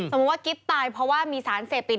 สมมุติว่ากิ๊บตายเพราะว่ามีสารเสพติด